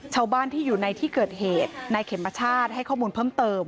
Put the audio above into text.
ชาวบ้านที่อยู่ในที่เกิดเหตุนายเข็มชาติให้ข้อมูลเพิ่มเติม